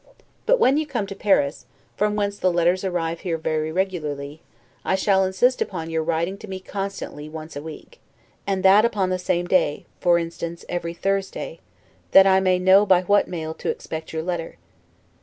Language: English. But when you come to Paris, from whence the letters arrive here very regularly, I shall insist upon you writing to me constantly once a week; and that upon the same day, for instance, every Thursday, that I may know by what mail to expect your letter.